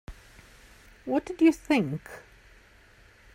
What did you think?